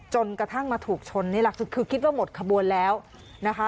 จนกระทั่งมาถูกชนนี่หลักสุดคือคิดว่าหมดขบวนแล้วนะคะ